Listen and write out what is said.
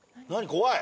怖い。